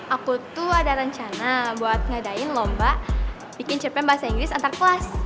aku tuh ada rencana buat ngadain lomba bikin cp bahasa inggris antar kelas